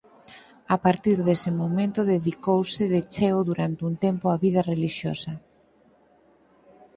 A partir dese momento dedicouse de cheo durante un tempo á vida relixiosa.